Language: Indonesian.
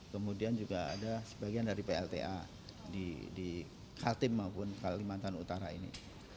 kemudian juga ada sebagian dari plta di kaltim maupun kalimantan utara ini